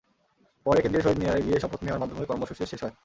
পরে কেন্দ্রীয় শহীদ মিনারে গিয়ে শপথ নেওয়ার মাধ্যমে কর্মসূচির শেষ হয়।